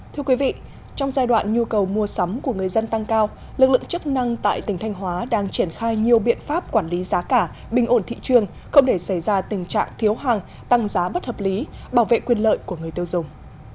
thưa quý vị trong giai đoạn nhu cầu mua sắm của người dân tăng cao lực lượng chức năng tại tỉnh thanh hóa đang triển khai nhiều biện pháp quản lý giá cả bình ổn thị trường không để xảy ra tình trạng thiếu hàng tăng giá bất hợp lý bảo vệ quyền lợi của người tiêu dùng